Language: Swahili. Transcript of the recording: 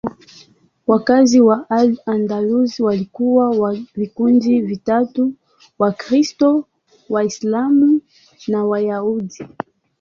Wakazi wa Al-Andalus walikuwa wa vikundi vitatu: Wakristo, Waislamu na Wayahudi.